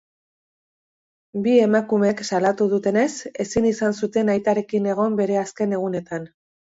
Bi emakumeek salatu dutenez, ezin izan zuten aitarekin egon bere azken egunetan.